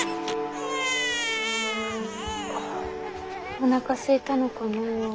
おなかすいたのかな？